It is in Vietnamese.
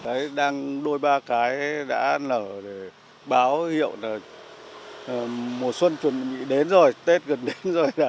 đấy đang đôi ba cái đã nở để báo hiệu là mùa xuân chuẩn bị đến rồi tết gần đến rồi cả